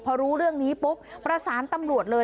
พอรู้เรื่องนี้ปุ๊บประสานตำรวจเลย